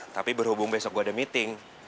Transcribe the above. tapi berhubung besok gue ada meeting